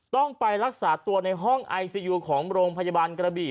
ต้องไปรักษาตัวในห้องไอซียูของโรงพยาบาลกระบี่